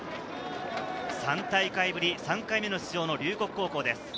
３大会目の出場の龍谷高校です。